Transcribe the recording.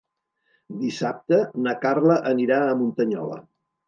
Dissabte na Carla anirà a Muntanyola.